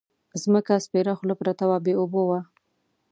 ځمکه سپېره خوله پرته وه بې اوبو وه.